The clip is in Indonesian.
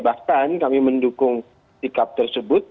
bahkan kami mendukung sikap tersebut